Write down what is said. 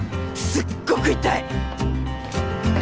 すっごく痛い！